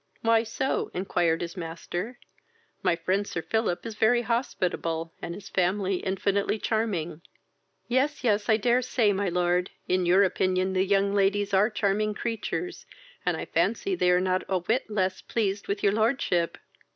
"Why so? (inquired his master:) my friend, Sir Philip, is very hospitable, and his family infinitely charming." "Yes, yes, I dare say, my lord, in your opinion the young ladies are charming creatures, and I fancy they are not a whit less pleased with your lordship."